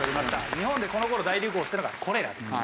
日本でこの頃大流行したのがコレラですね。